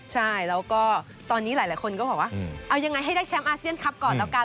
ใช่แล้วก็ตอนนี้หลายคนก็บอกว่าเอายังไงให้ได้แชมป์อาเซียนคลับก่อนแล้วกัน